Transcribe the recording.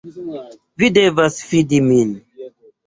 Vi devas fidi min.